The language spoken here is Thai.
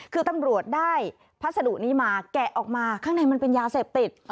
คือตำรวจได้พัสดุนี้มาแกะออกมาข้างในมันเป็นยาเสพติด